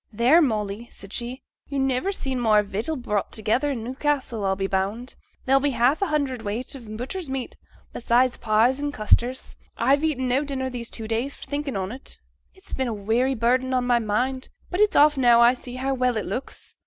'Theere, Molly!' said she. 'Yo' niver seed more vittle brought together i' Newcassel, I'll be bound; there'll be above half a hundredweight o' butcher's meat, beside pies and custards. I've eaten no dinner these two days for thinking on 't; it's been a weary burden on my mind, but it's off now I see how well it looks.